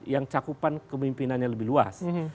yang cakupan kemimpinannya lebih luas